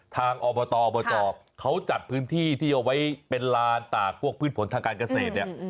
ทางอบตอบจเขาจัดพื้นที่ที่เอาไว้เป็นลานตากพวกพืชผลทางการเกษตรเนี่ย